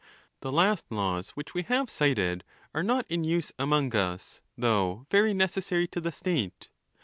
The last laws which we have cited are not in use among "us, though very necessary to the state.